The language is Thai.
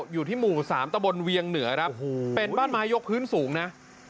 อยู่ที่หมู่๓ตะบนเวียงเหนือครับเป็นบ้านไม้ยกพื้นสูงนะ